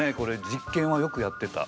実験はよくやってた。